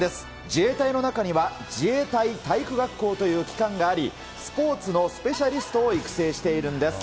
自衛隊の中には、自衛隊体育学校という機関があり、スポーツのスペシャリストを育成しているんです。